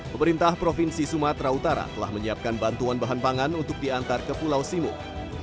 pemerintah provinsi sumatera utara telah menyiapkan bantuan bahan pangan untuk diantar ke pulau simuk